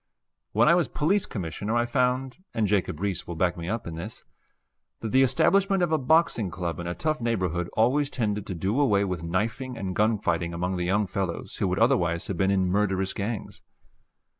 When I was Police Commissioner I found (and Jacob Riis will back me up in this) that the establishment of a boxing club in a tough neighborhood always tended to do away with knifing and gun fighting among the young fellows who would otherwise have been in murderous gangs.